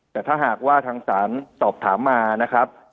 แต่ถ้าหากว่าทางศาลสอบถามมานะครับ